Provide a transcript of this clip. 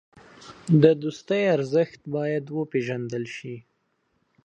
د دوستۍ ارزښت باید وپېژندل شي.